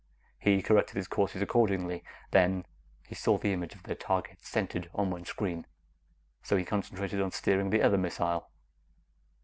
He corrected his courses accordingly. Then he saw the image of their target centered on one screen, so he concentrated on steering the other missile.